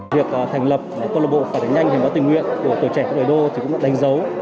việc thành lập câu lạc bộ phản ứng nhanh hiến máu tình nguyện của tuổi trẻ của đời đô cũng đánh dấu